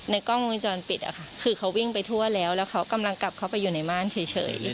กล้องวงจรปิดอะค่ะคือเขาวิ่งไปทั่วแล้วแล้วเขากำลังกลับเข้าไปอยู่ในม่านเฉย